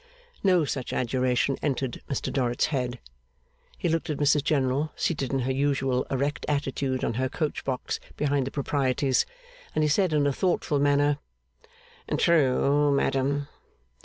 No such adjuration entered Mr. Dorrit's head. He looked at Mrs General, seated in her usual erect attitude on her coach box behind the proprieties, and he said in a thoughtful manner, 'True, madam.